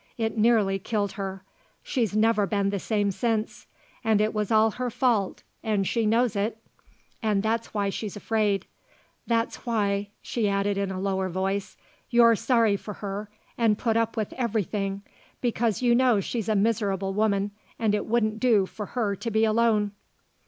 It nearly killed her. She's never been the same since. And it was all her fault and she knows it and that's why she's afraid. That's why," she added in a lower voice, "you're sorry for her and put up with everything, because you know she's a miserable woman and it wouldn't do for her to be alone.